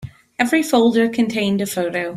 Every folder contained a photo.